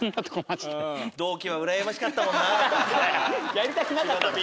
やりたくなかっただろ。